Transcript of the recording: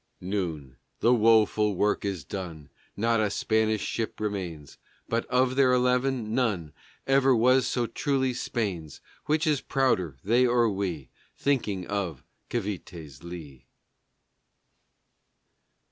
Noon, the woful work is done! Not a Spanish ship remains; But, of their eleven, none Ever was so truly Spain's! Which is prouder, they or we, Thinking of Cavité's lee?